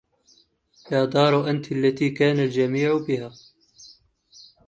يا دار أنت التي كان الجميع بها